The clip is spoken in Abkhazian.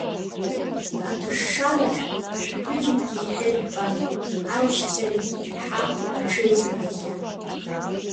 Аҭышшараҿ ашәаԥыџьаԥгьы еиҳа ижәпан, алашьцарагьы еиҳа аҽеизнагахьан.